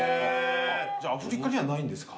じゃあアフリカにはないんですか？